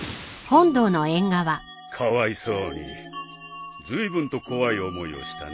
かわいそうにずいぶんと怖い思いをしたね。